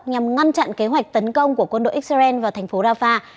nhằm ngăn chặn kế hoạch tấn công của quân đội israel vào thành phố rafah